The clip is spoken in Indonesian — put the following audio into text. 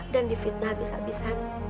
dan di fitnah abis abisan